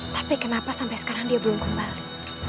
tapi kenapa sampai sekarang dia belum kembali